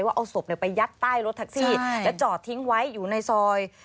ว่าเอาศพไปยัดใต้รถแท็กซี่แล้วจอดทิ้งไว้อยู่ในซอย